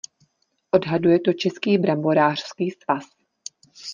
Odhaduje to Český bramborářský svaz.